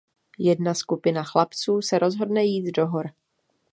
Jedna skupina chlapců se rozhodne jít do hor.